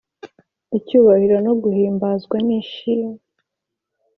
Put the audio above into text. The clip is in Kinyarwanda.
icyubahiro no guhimbazwa n’ishimwe,